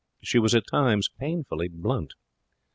She was at times painfully blunt.